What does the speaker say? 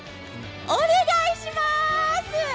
お願いします。